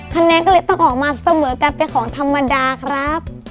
คะแนนก็เลยต้องออกมาเสมอกันเป็นของธรรมดาครับ